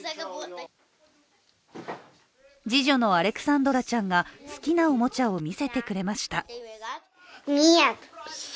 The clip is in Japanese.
次女のアレクサンドラちゃんが好きなおもちゃを見せてくれました。